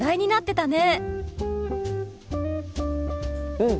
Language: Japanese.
うん！